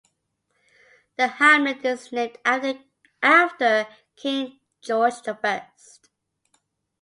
The hamlet is named after King George the First.